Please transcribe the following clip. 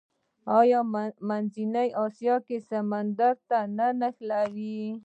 آیا منځنۍ اسیا سمندر ته نه نښلوي؟